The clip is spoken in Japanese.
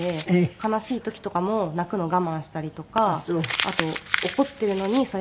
悲しい時とかも泣くの我慢したりとかあと怒っているのにそれも我慢したりとか。